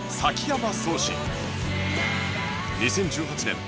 ２０１８年